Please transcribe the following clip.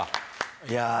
いや。